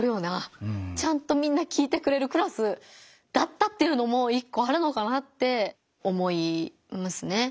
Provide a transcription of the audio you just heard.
ちゃんとみんな聞いてくれるクラスだったっていうのも一個あるのかなって思いますね。